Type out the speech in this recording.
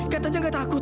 katanya enggak takut